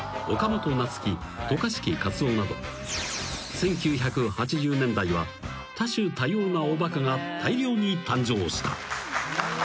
［１９８０年代は多種多様なおバカが大量に誕生した］